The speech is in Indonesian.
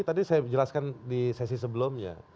tadi saya jelaskan di sesi sebelumnya